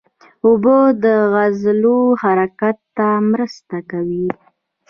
اوبه د عضلو حرکت ته مرسته کوي